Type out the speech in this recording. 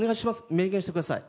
明言してください。